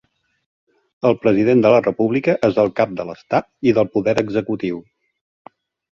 El president de la república és el cap de l'estat i del poder executiu.